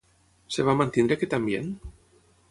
Es va mantenir aquest ambient?